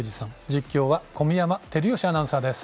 実況は小宮山晃義アナウンサーです。